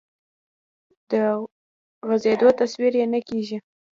د غځېدو تصور یې نه کېږي.